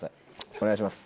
お願いします。